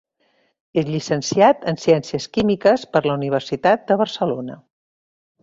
És llicenciat en Ciències Químiques per la Universitat de Barcelona.